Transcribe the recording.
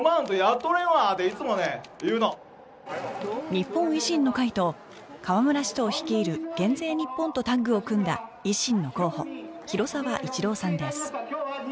日本維新の会と河村市長率いる減税日本とタッグを組んだ維新の候補広沢一郎さんです